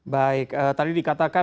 baik tadi dikatakan